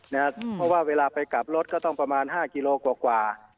เพราะว่าเวลาไปกลับรถก็ต้องประมาณ๕กิโลกว่า